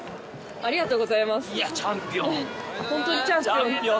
ありがとうございます